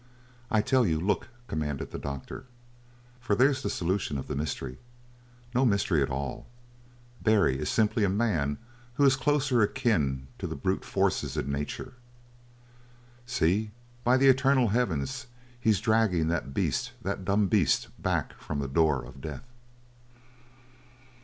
"I fell you, look!" commanded the doctor. "For there's the solution of the mystery. No mystery at all. Barry is simply a man who is closer akin to the brute forces in nature. See! By the eternal heavens, he's dragging that beast that dumb beast back from the door of death!"